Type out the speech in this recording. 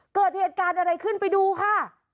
เกิดเหตุการณ์อะไรขึ้นไปดูค่ะ